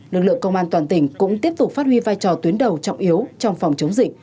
lực lượng công an toàn tỉnh cũng tiếp tục phát huy vai trò tuyến đầu trọng yếu trong phòng chống dịch